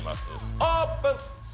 オープン。